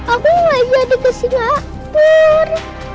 aku gak jadi kesilapur